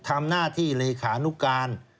ทำหน้าที่เลขานุการ